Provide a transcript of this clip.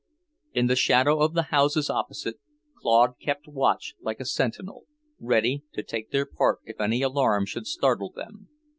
In the shadow of the houses opposite, Claude kept watch like a sentinel, ready to take their part if any alarm should startle them.